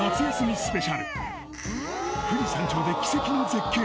富士山頂で奇跡の絶景！